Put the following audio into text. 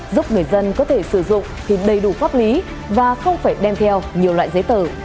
giúp người dân có thể sử dụng thì đầy đủ pháp lý và không phải đem theo nhiều loại giấy tờ